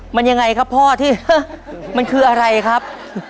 มันยังไงครับพ่อที่มันคืออะไรครับ